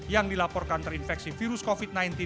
yang dilaporkan terinfeksi virus covid sembilan belas